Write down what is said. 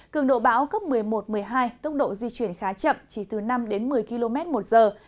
cường độ bão cấp một mươi một một mươi hai tốc độ di chuyển khá chậm chỉ từ năm đến một mươi km một giờ